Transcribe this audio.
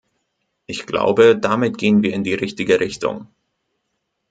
Ich glaube, damit gehen wir in die richtige Richtung.